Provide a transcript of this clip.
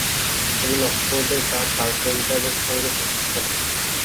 সেদিন অক্সফোর্ডের ডা কার্পেণ্টারের সঙ্গে সাক্ষাৎ হল।